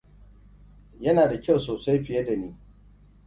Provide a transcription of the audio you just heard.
Yana da kyau sosai fiye da ni.